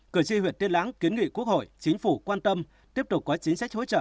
cử tri huyện tiên lãng kiến nghị quốc hội chính phủ quan tâm tiếp tục có chính sách hỗ trợ